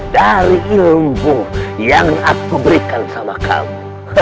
dari ilmu yang aku berikan sama kamu